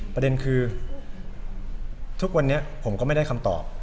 ประเด็นคือทุกวันนี้ผมก็ไม่ได้คำตอบ